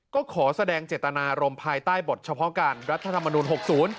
ก็ขอแสดงเจตนารมณ์ภายใต้บทเฉพาะการรัฐธรรมนุน๖๐